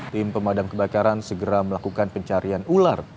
tim pemadam kebakaran segera melakukan pencarian ular